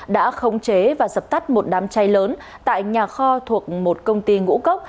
đã khống chế và dập tắt một đám cháy lớn tại nhà kho thuộc một công ty ngũ cốc